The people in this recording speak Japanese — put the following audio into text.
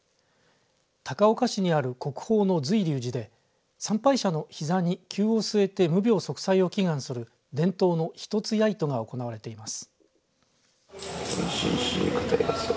高岡市にある国宝の瑞龍寺で参拝者の膝にきゅうを据えて無病息災を祈願する伝統の一つやいとが行われています。